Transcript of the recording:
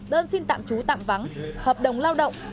đơn xin tạm trú tạm vắng hợp đồng lao động